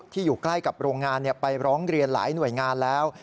อยู่ใกล้กับโรงงานไปร้องเรียนหลายหน่วยงานแล้ว